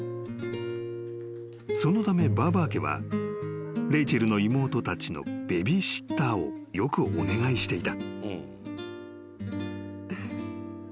［そのためバーバー家はレイチェルの妹たちのベビーシッターをよくお願いしていた］